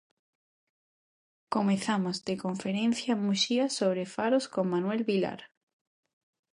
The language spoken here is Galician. Comezamos de conferencia en Muxía sobre faros con Manuel Vilar.